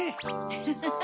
フフフ！